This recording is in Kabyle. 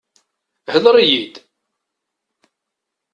Hḍeṛ-iyi-d!